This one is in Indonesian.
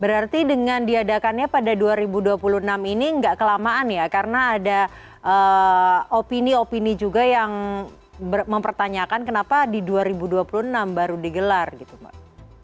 berarti dengan diadakannya pada dua ribu dua puluh enam ini nggak kelamaan ya karena ada opini opini juga yang mempertanyakan kenapa di dua ribu dua puluh enam baru digelar gitu mbak